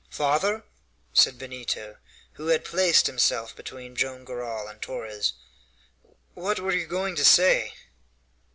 "Father," said Benito, who had placed himself between Joam Garral and Torres, "what were you going to say?"